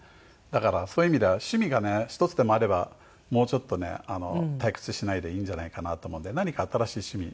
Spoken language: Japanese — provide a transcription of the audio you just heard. だからそういう意味では趣味がね一つでもあればもうちょっとね退屈しないでいいんじゃないかなと思うんで何か新しい趣味。